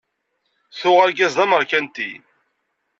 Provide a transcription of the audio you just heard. Tuɣ argaz d ameṛkanti.